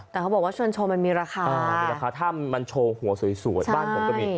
แต่เขาบอกว่าชวนโชว์มันมีราคามีราคาถ้ำมันโชว์หัวสวยบ้านผมก็มี